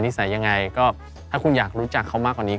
นิสัยอย่างไรก็ถ้าคุณอยากรู้จักเขามากกว่านี้